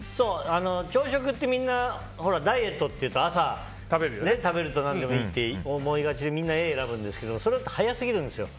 朝食ってみんなダイエットっていうと朝、食べると何でもいいって思いがちでみんなＡを選ぶんですけどそれだと早すぎるんですよ。